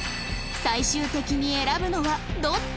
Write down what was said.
最終的に選ぶのはどっち？